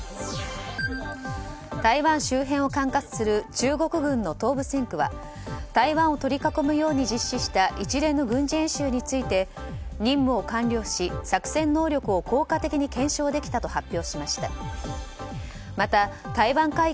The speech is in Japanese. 台湾周辺を管轄する中国軍の東部戦区は台湾を取り囲むように実施した一連の軍事演習について任務を完了し、作戦能力を効果的に検証できたと発表しました。